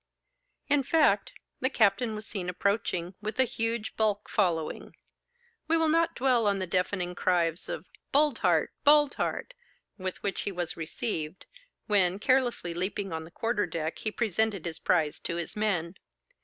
In fact, the captain was seen approaching, with the huge bulk following. We will not dwell on the deafening cries of 'Boldheart! Boldheart!' with which he was received, when, carelessly leaping on the quarter deck, he presented his prize to his men.